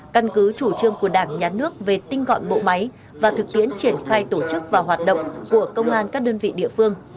căn cứ chủ trương của đảng nhà nước về tinh gọn bộ máy và thực tiễn triển khai tổ chức và hoạt động của công an các đơn vị địa phương